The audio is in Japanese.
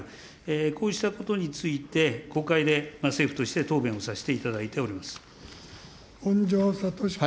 こうしたことについて、国会で政府として、答弁をさせていただい本庄知史君。